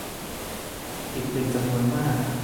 อีกเป็นจำนวนมาก